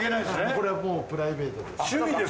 これはもうプライベートで。